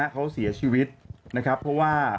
เขาเสียชีวิตนะครับเพราะว่า